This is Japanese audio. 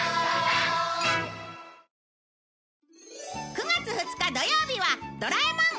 ９月２日土曜日は『ドラえもん』